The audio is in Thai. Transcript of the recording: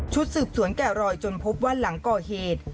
สืบสวนแก่รอยจนพบว่าหลังก่อเหตุ